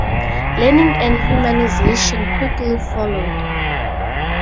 Learning and humanization quickly followed.